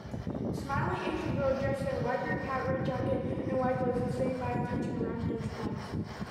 A smiling Asian girl dressed in a widebrimmed hat red jacket and white gloves is sitting by and touching round orange produce